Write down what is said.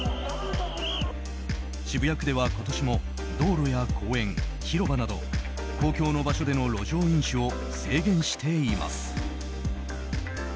渋谷区では今年も道路や公園、広場など公共の場所での路上飲酒を制限しています。